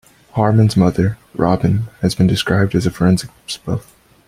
Harman's mother, Robin, has been described as a forensics buff.